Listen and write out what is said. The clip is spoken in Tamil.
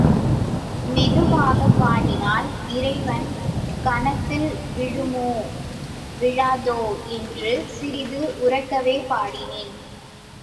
மெதுவாகப்பாடினால் இறைவன் கனதில் விழுமோ விழாதோ என்று சிறிது உரக்கவே பாடினேன்.